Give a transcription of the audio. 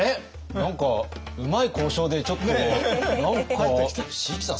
何かうまい交渉でちょっと何か椎木さん